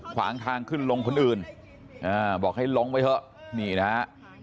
ขวางทางขึ้นลงคนอื่นบอกให้ลงไปเถอะนี่นะฮะ